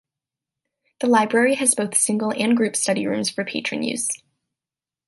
The Library has both single and group study rooms for patron use.